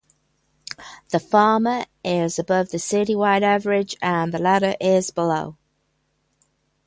The former is above the citywide average and the latter is below.